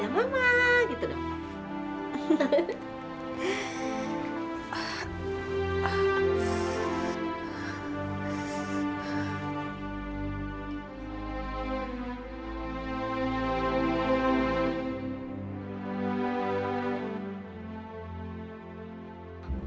ya mama gitu dong